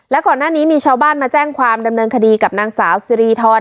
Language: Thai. และก่อนหน้านี้มีชาวบ้านมาแจ้งความดำเนินคดีกับนางสาวสิริธร